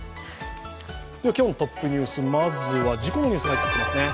今日のトップニュース、事故のニュースが入っていますね。